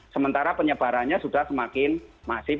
sementara penyebarannya sudah semakin masif